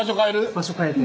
場所変えて。